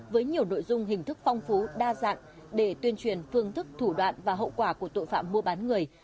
với nhiều nội dung hình thức phong phú đa dạng để tuyên truyền phương thức thủ đoạn và hậu quả của tội phạm mua bán người